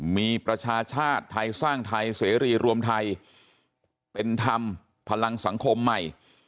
มีประชาชาติไทยสร้างไทยเสรีรวมไทยเป็นธรรมพลังสังคมใหม่